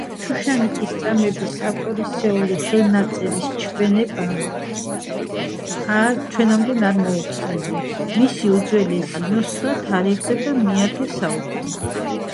ააკვრევინებს